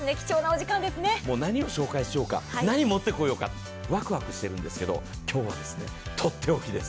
もう何を紹介しようか、何持ってこようかワクワクしてるんですけど今日はとっておきです。